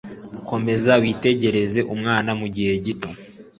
Komeza witegereze umwana mugihe gito.